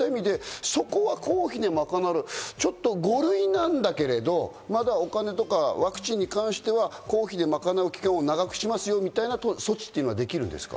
そういう意味でそこは公費でまかなう５類なんだけれど、まだお金とかワクチンに関しては公費で賄う期間を長くしますよ、みたいな措置はできるんですか？